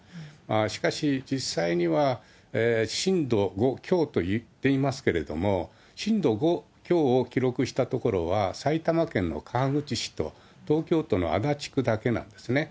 しかし、実際には震度５強といっていますけれども、震度５強を記録した所は、埼玉県の川口市と東京都の足立区だけなんですね。